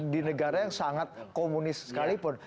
di negara yang sangat komunis sekalipun